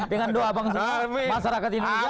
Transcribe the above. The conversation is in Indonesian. dengan doa masyarakat indonesia